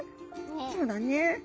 「そうだね。